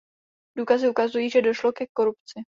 Důkazy ukazují, že došlo ke korupci.